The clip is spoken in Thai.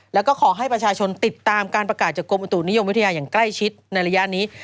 แล้วก็ขอให้ประชาชนติดตามการประกาศจากกรมอุตุนิยมวิทยาอย่างใกล้ชิดในระยะนี้